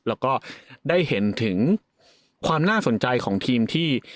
แล้วก็ได้เห็นถึงความน่าสนใจของทีมที่